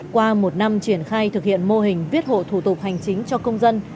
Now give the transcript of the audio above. qua một năm triển khai thực hiện mô hình viết hộ thủ tục hành chính cho công dân